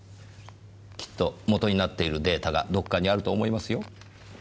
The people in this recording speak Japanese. きっと元になっているデータがどこかにあると思いますよ。